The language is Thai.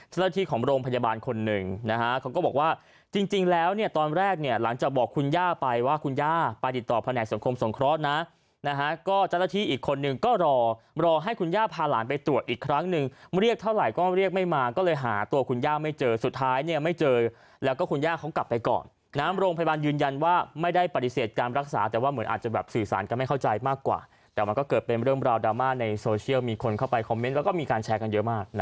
เจ้าหน้าที่ของโรงพยาบาลคนหนึ่งนะฮะเขาก็บอกว่าจริงแล้วเนี่ยตอนแรกเนี่ยหลังจากบอกคุณย่าไปว่าคุณย่าไปติดต่อแผนกสมคมสงครอสนะนะฮะก็เจ้าหน้าที่อีกคนหนึ่งก็รอรอให้คุณย่าพาหลานไปตรวจอีกครั้งนึงเรียกเท่าไหร่ก็เรียกไม่มาก็เลยหาตัวคุณย่าไม่เจอสุดท้ายเนี่ยไม่เจอแล้วก็คุณย่